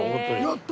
やった。